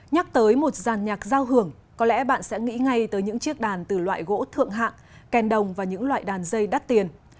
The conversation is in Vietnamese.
nhắc tới một giàn nhạc giao hưởng có lẽ bạn sẽ nghĩ ngay tới những chiếc đàn từ loại gỗ thượng hạng ken đồng và những loại đàn dây đắt tiền